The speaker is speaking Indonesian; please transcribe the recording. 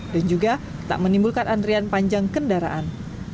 dan juga tak menimbulkan antrian panjang kendaraan